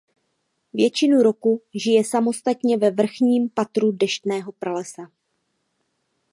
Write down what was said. Většinu roku žije samostatně ve vrchním patru deštného lesa.